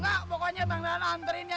nggak pokoknya bang dahlan anterin ya